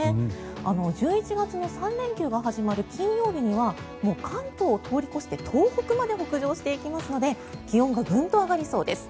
１１月の３連休が始まる金曜日には、関東を通り越して東北まで北上していきますので気温がグンと上がりそうです。